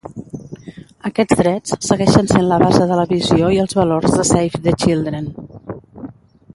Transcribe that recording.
Aquests drets segueixen sent la base de la visió i els valors de Save the Children.